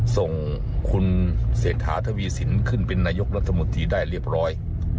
ส่งคุณเศรษฐาทวีสินขึ้นเป็นนายกรัฐมนตรีได้เรียบร้อย